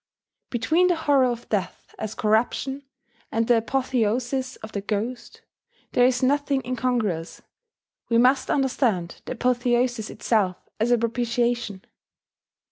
Between the horror of death as corruption, and the apotheosis of the ghost, there is nothing incongruous: we must understand the apotheosis itself as a propitiation.